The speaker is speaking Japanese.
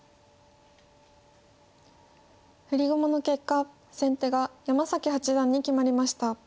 振り駒の結果先手が山崎八段に決まりました。